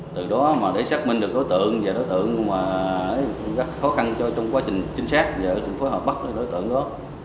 từ đó mà để xác minh được đối tượng và đối tượng mà rất khó khăn cho trong quá trình chính xác ở thành phố hòa bắc đối tượng đó